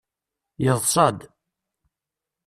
Yeḍsa-d.